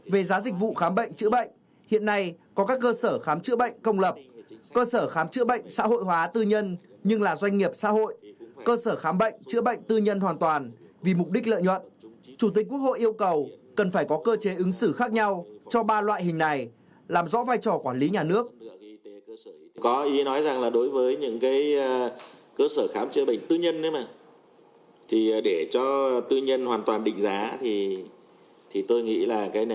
về giá dịch vụ khám bệnh chữa bệnh hiện nay có các cơ sở khám chữa bệnh công lập cơ sở khám chữa bệnh xã hội hóa tư nhân nhưng là doanh nghiệp xã hội cơ sở khám bệnh chữa bệnh tư nhân hoàn toàn vì mục đích lợi nhuận